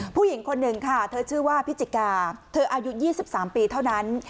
ผู้หญิงคนหนึ่งค่ะเธอชื่อว่าพิจิกาเธออายุ๒๓ปีเท่านั้น